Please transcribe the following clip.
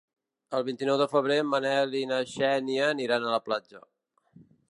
El vint-i-nou de febrer en Manel i na Xènia iran a la platja.